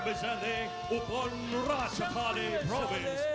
เขาเป็นอุปกรณ์ราชภาษาประเทศ